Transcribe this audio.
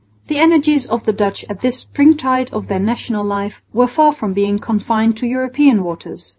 The energies of the Dutch at this springtide of their national life were far from being confined to European, waters.